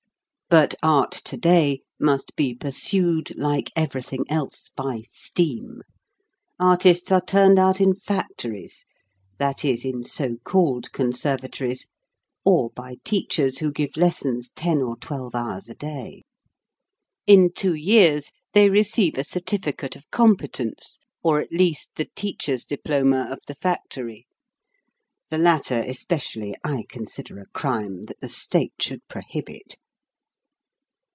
But art to day must be pursued like every thing else, by steam. Artists are turned out in MY PURPOSE 3 factories, that is, in so called conservatories, or by teachers who give lessons ten or twelve hours a day. In two years they receive a cer tificate of competence, or at least the teacher's diploma of the factory. The latter, especially, I consider a crime, that the state should prohibit.